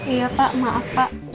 iya pak maaf pak